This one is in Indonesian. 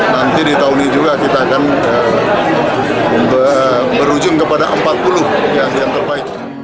nanti di tahun ini juga kita akan berujung kepada empat puluh yang terbaik